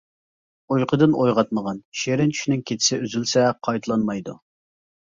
ئۇيقۇدىن ئويغاتمىغىن، شېرىن چۈشنىڭ كېچىسى ئۈزۈلسە قايتىلانمايدۇ.